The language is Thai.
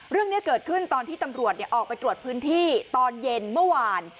เรื่องนี้เกิดขึ้นตอนที่ตำรวจออกไปตรวจพื้นที่ตอนเย็นเมื่อวาน